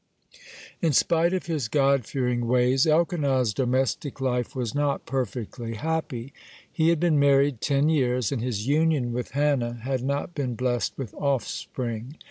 (5) In spite of his God fearing ways, Elkanah's domestic life was not perfectly happy. He had been married ten years, and his union with Hannah had not been blessed with offspring.